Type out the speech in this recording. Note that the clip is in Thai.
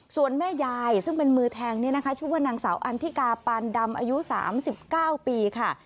ส่วนแม่ยายซึ่งเป็นมือแทงเนี่ยนะคะชื่อว่านางสาวอันทิกาปานดำอายุ๓๙ปีค่ะ